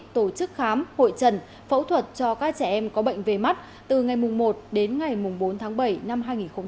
tổ chức khám hội trần phẫu thuật cho các trẻ em có bệnh về mắt từ ngày một đến ngày bốn tháng bảy năm hai nghìn hai mươi